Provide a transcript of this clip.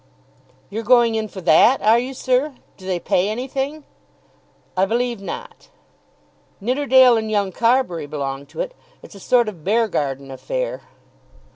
"You're going in for that, are you, sir? Do they pay anything?" "I believe not." "Nidderdale and young Carbury belong to it. It's a sort of Beargarden affair."